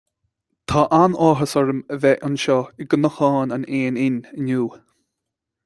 Tá an-áthas orm a bheith anseo i gCnocán an Éin Fhinn inniu